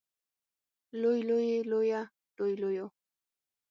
لوی لویې لويه لوې لويو